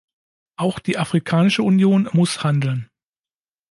Auch die Afrikanische Union muss handeln.